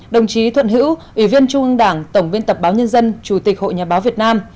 đồng chí thuận hữu ủy viên trung ương đảng tổng biên tập báo nhân dân chủ tịch hội nhà báo việt nam